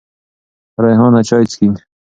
ریحانه چای څکې.